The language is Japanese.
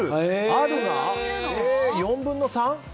あるが４分の３。